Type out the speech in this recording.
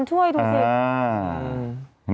ช่วยดูสิ